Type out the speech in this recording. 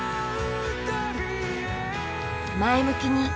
前向きに。